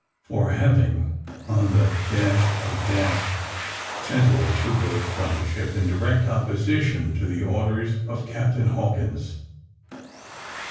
For having, on the of , sent away two boats from the ship, in direct opposition to the orders of Captain Hawkins.